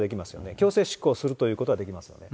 強制執行するということはできますよね。